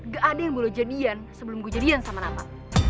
gak ada yang boleh jadian sebelum gue jadian sama nama